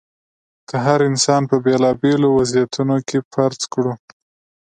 که هر انسان په بېلابېلو وضعیتونو کې فرض کړو.